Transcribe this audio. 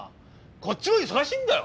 こっちも忙しいんだよ！？